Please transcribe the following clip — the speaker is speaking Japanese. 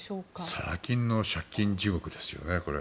サラ金の借金地獄ですよね。